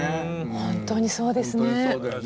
本当にそうですね。